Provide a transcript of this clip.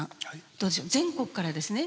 どうでしょう全国からですね